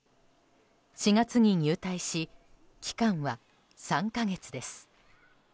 ４月に入隊し期間は３か月です。